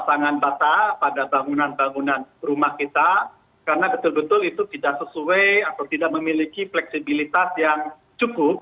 nah ini mungkin kalau menurut saya pribadi sebaiknya kita mulai mengincari pemanfaatan pasangan bata pada bangunan rumah kita karena betul betul kita sesuai atau tidak memiliki fleksibilitas yang cukup agar tak terjadi kegempan